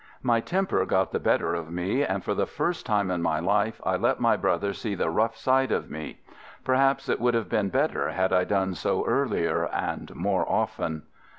My temper got the better of me, and for the first time in my life I let my brother see the rough side of me. Perhaps it would have been better had I done so earlier and more often.